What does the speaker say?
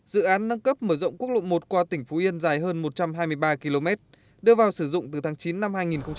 dự án nâng cấp mở rộng quốc lộ một qua tỉnh phú yên dài hơn một trăm hai mươi ba km đưa vào sử dụng từ tháng chín năm hai nghìn một mươi bảy